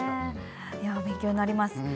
勉強になります。